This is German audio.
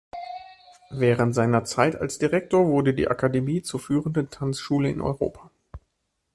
Während seiner Zeit als Direktor wurde die Akademie zur führenden Tanzschule in Europa.